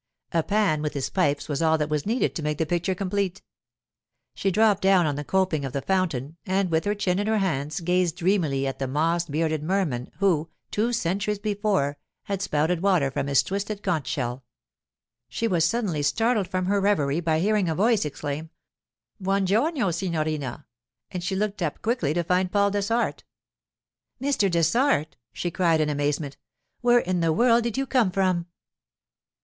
A Pan with his pipes was all that was needed to make the picture complete. She dropped down on the coping of the fountain, and with her chin in her hands gazed dreamily at the moss bearded merman who, two centuries before, had spouted water from his twisted conch shell. She was suddenly startled from her reverie by hearing a voice exclaim, 'Buon giorno, signorina!' and she looked up quickly to find Paul Dessart. 'Mr. Dessart!' she cried in amazement. 'Where in the world did you come from?